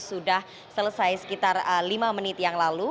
sudah selesai sekitar lima menit yang lalu